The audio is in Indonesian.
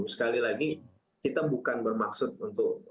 sekali lagi kita bukan bermaksud untuk